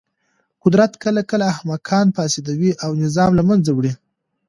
قدرت کله کله احمقان فاسدوي او نظام له منځه وړي.